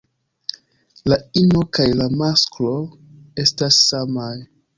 La ino kaj la masklo estas samaj.